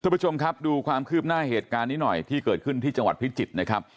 ผู้ชมครับดูความคืบหน้าเหตุการณ์นี้หน่อยที่เกิดขึ้นที่จังหวัดพิจิตรนะครับ